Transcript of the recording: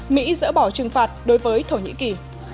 mỹ dỡ bỏ trừng phạt đối với thổ nhĩ kỳ